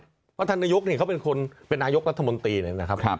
เพราะท่านนายกเขาเป็นคนเป็นนายกรัฐมนตรีเลยนะครับ